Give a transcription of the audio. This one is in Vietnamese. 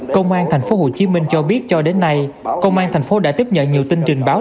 công an tp hcm cho biết cho đến nay công an thành phố đã tiếp nhận nhiều tin trình báo